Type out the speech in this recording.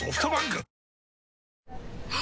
あ！